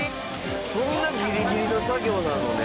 そんなギリギリの作業なのね。